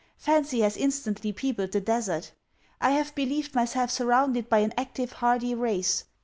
Fancy has instantly peopled the desert. I have believed myself surrounded by an active hardy race.